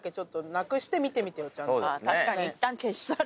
確かにいったん消し去る。